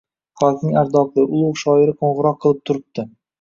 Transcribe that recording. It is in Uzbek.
Xalqning ardoqli, ulug‘ shoiri qo‘ng‘iroq qilib turibdi.